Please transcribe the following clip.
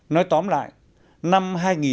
nói tóm lại năm hai nghìn một mươi tám